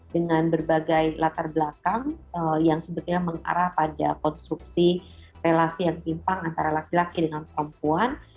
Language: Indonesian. dengan berbagai latar belakang yang sebetulnya mengarah pada konstruksi relasi yang timpang antara laki laki dengan perempuan